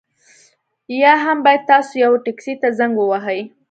یا هم باید تاسو یوه ټکسي ته زنګ ووهئ